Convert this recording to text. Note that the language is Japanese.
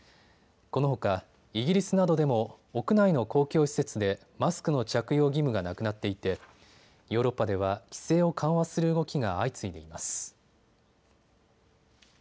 このほか、イギリスなどでも屋内の公共施設でマスクの着用義務がなくなっていてヨーロッパでは規制を緩和する動きが相次いでいます。